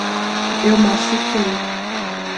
Eu machuquei